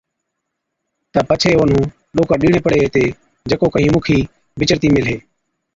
تہ پڇي اونَھُون ڏوڪڙ ڏيڻي پَڙي ھِتي جڪو ڪھين مُکِي بِچڙتِي ميلَھِي.